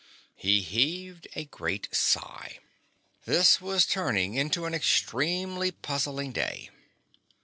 He heaved a great sigh. This was turning into an extremely puzzling day.